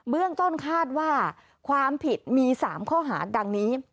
เรื่องต้นคาดว่าความผิดมี๓ข้อหาดังนี้